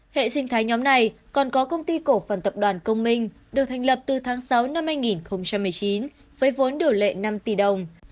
hệ sinh thái nhóm này còn có công ty cổ phần tập đoàn công minh được thành lập từ tháng sáu năm hai nghìn một mươi chín với vốn điều lệ năm tỷ đồng